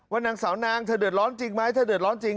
นางสาวนางเธอเดือดร้อนจริงไหมเธอเดือดร้อนจริง